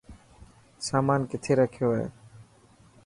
سامان ڪٿي رکيو هي.